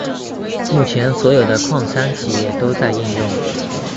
目前所有的矿山企业都在应用。